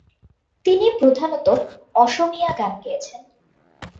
তিনি প্রধানত অসমীয়া গান গেয়েছেন।